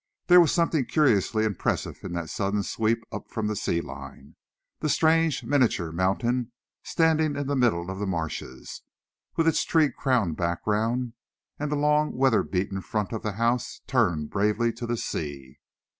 There was something curiously impressive in that sudden sweep up from the sea line; the strange, miniature mountain standing in the middle of the marshes, with its tree crowned background; and the long, weather beaten front of the house turned bravely to the sea.